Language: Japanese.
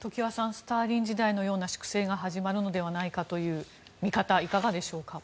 スターリン時代のような粛清が始まるのではないかという見方いかがでしょうか。